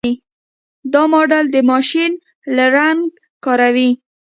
دا ماډل د ماشین لرنګ کاروي.